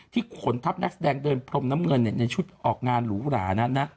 ขนทัพนักแสดงเดินพรมน้ำเงินในชุดออกงานหรูหรานั้นนะ